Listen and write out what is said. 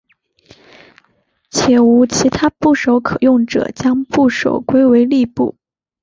且无其他部首可用者将部首归为立部。